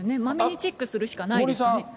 まめにチェックするしかないですね。